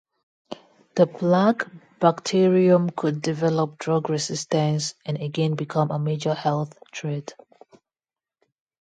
The plague bacterium could develop drug resistance and again become a major health threat.